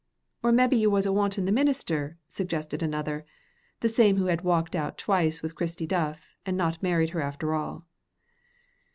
"Or mebbe ye was wantin' the minister?" suggested another, the same who had walked out twice with Chirsty Duff and not married her after all.